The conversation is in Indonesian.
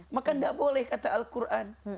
maka tidak boleh kata al quran